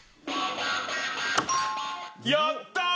やったー！